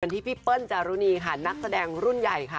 ที่พี่เปิ้ลจารุณีค่ะนักแสดงรุ่นใหญ่ค่ะ